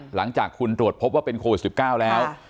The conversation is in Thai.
หลังจากคุณตรวจพบว่าเป็นโควิด๑๙แล้ว